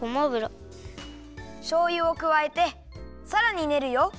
しょうゆをくわえてさらにねるよ！